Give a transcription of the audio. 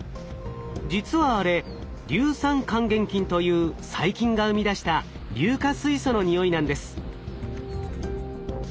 実はあれ硫酸還元菌という細菌が生み出した硫化水素のにおいなんです。